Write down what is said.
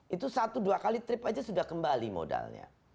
itu satu dua kali trip aja sudah kembali modalnya